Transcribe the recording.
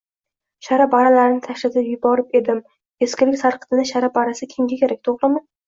Shara-baralarini tashlatib yuborib edim. Eskilik sarqitini shara-barasi kimga kerak, to‘g‘rimi?